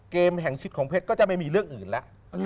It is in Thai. แห่งชิดของเพชรก็จะไม่มีเรื่องอื่นแล้ว